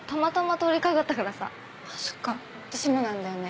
そっか私もなんだよね。